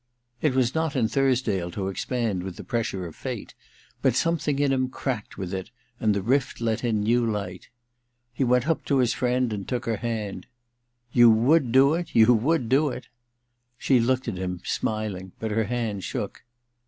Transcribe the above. It was not in Thursdale to expand with the pressure of fate ; but something in him cracked with it, and the rift let in new light. He went up to his friend and took her hand. * You would do it — you would do it !' She looked at him, smiling, but her hand shook.